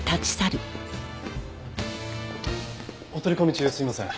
お取り込み中すみません。